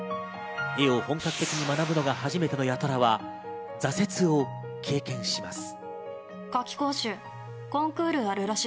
絵を本格的に学ぶのが初めての八虎は挫折を経験します。